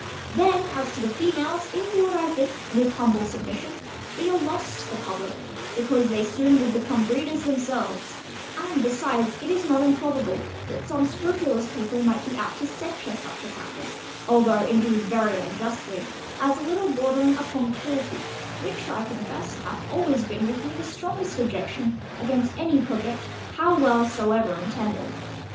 Then as to the females, it would, I think, with humble submission, be a loss to the publick, because they soon would become breeders themselves: and besides, it is not improbable that some scrupulous people might be apt to censure such a practice, (although indeed very unjustly) as a little bordering upon cruelty, which, I confess, hath always been with me the strongest objection against any project, how well soever intended.